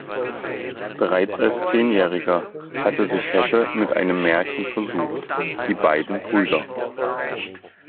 Bereits als Zehnjähriger hatte sich Hesse mit einem Märchen versucht: "Die beiden Brüder".